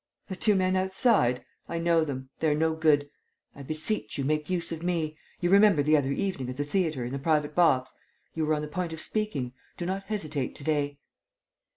"The two men outside? I know them. They're no good. I beseech you, make use of me. You remember the other evening, at the theatre, in the private box? You were on the point of speaking. Do not hesitate to day."